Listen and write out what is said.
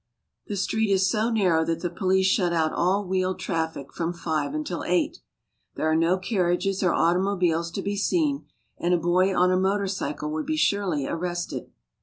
The street is so narrow that the police shut out all wheeled traffic from five until eight. There are no carriages or automobiles to be seen, and a boy on a motor cycle would be surely arrested.